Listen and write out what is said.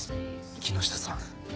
木下さん